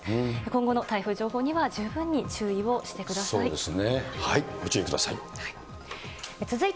今後の台風情報には十分に注意をしてください。